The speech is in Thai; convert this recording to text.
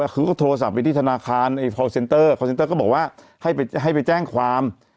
คือเขาโทรศัพท์ไปที่ธนาคารคอลเซ็นเตอร์ก็บอกว่าให้ไปแจ้งความ